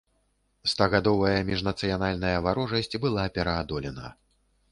Стагадовая міжнацыянальная варожасць была пераадолена.